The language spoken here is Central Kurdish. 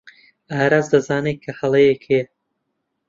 ئاراس دەزانێت کە هەڵەیەک هەیە.